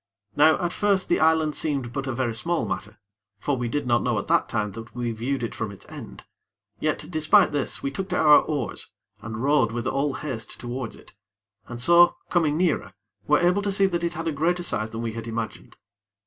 Now at first the island seemed but a very small matter; for we did not know at that time that we viewed it from its end; yet despite this, we took to our oars and rowed with all haste towards it, and so, coming nearer, were able to see that it had a greater size than we had imagined.